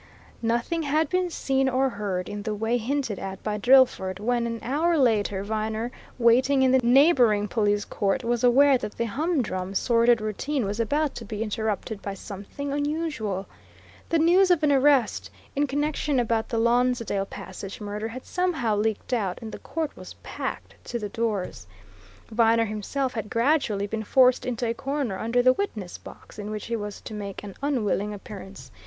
Nothing had been seen or heard, in the way hinted at by Drillford, when, an hour later, Viner, waiting in the neighbouring police court, was aware that the humdrum, sordid routine was about to be interrupted by something unusual. The news of an arrest in connection with the Lonsdale Passage murder had somehow leaked out, and the court was packed to the doors Viner himself had gradually been forced into a corner near the witness box in which he was to make an unwilling appearance.